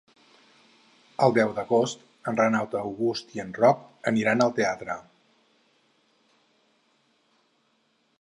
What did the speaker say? El deu d'agost en Renat August i en Roc aniran al teatre.